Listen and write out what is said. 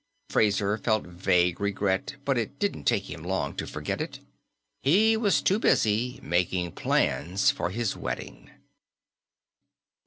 Fraser felt vague regret, but it didn't take him long to forget it; he was too busy making plans for his wedding.